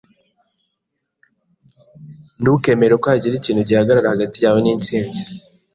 Ntukemere ko hagira ikintu gihagarara hagati yawe nitsinzi.